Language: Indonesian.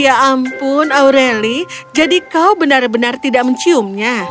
ya ampun aureli jadi kau benar benar tidak menciumnya